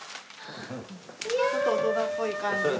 ちょっと大人っぽい感じで。